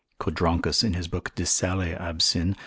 Codronchus in his book de sale absyn.